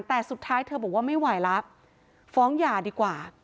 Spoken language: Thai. แต่สุดท้ายเธอบอกว่าไม่ไหวแล้วฟ้องหย่าดีกว่า